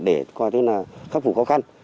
để coi thế là khắc phục khó khăn